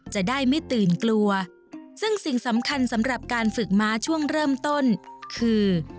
จะได้ไม่ตื่นกลัวซึ่งสิ่งสำคัญสำหรับการฝึกม้าช่วงเริ่มต้นคือ